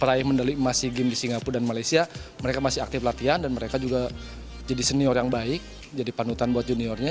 peraih medali emas sea games di singapura dan malaysia mereka masih aktif latihan dan mereka juga jadi senior yang baik jadi panutan buat juniornya